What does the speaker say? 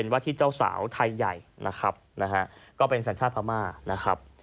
ว่าที่เจ้าสาวไทยใหญ่นะครับนะฮะก็เป็นสัญชาติพม่านะครับ